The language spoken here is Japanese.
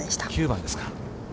９番ですか。